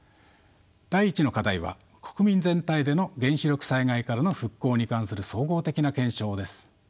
第１の課題は国民全体での原子力災害からの復興に関する総合的な検証です。